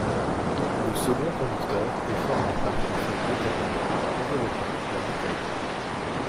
Le second conducteur est formé par une feuille métallique enveloppant la bouteille.